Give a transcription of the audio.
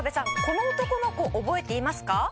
この男の子覚えていますか？」